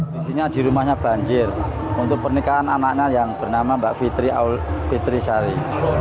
kondisinya di rumahnya banjir untuk pernikahan anaknya yang bernama mbak fitri ahlakul fitri sari